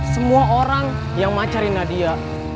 semua orang yang macarin nadia